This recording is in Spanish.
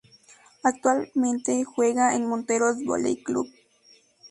Actualmente juega en Monteros Vóley Club.